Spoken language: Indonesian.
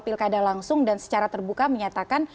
pilkada langsung dan secara terbuka menyatakan